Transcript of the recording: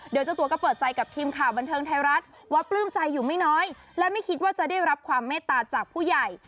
โดยเจ้าตัวก็เปิดใจกับทีมข่าวบันเทิงไทยรัฐว่าปลื้มใจอยู่ไม่น้อยและไม่คิดว่าจะได้รับความเมตตาจากผู้ใหญ่